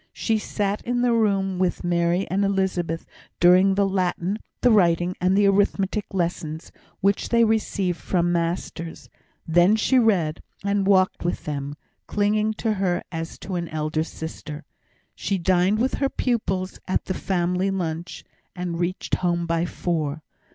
She sat in the room with Mary and Elizabeth during the Latin, the writing, and arithmetic lessons, which they received from masters; then she read, and walked with them, they clinging to her as to an elder sister; she dined with her pupils at the family lunch, and reached home by four.